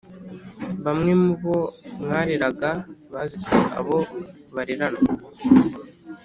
Bamwe mubo mwareraga Bazize abo bareranwa